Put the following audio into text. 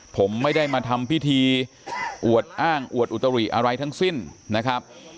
ผมไม่ได้มาทำพิธีอวดอ้างอวดอุตริอะไรทั้งสิ้นนะครับ